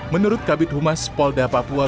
menurut kabit humas polda papua